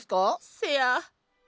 せや。